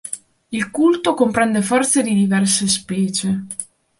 Il Culto comprende forze di diverse specie.